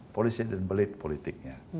polisi dan belit politiknya